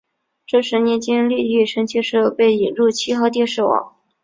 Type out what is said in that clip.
这十年间立体声技术被引入七号电视网。